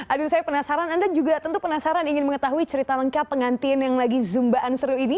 aduh saya penasaran anda juga tentu penasaran ingin mengetahui cerita lengkap pengantian yang lagi zumbaan seru ini